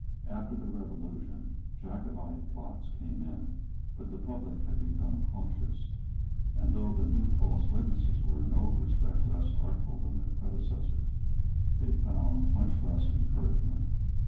After the Revolution Jacobite plots came in; but the public had become cautious; and though the new false witnesses were in no respect less artful than their predecessors, they found much less encouragement.